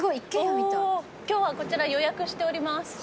今日はこちら予約しております。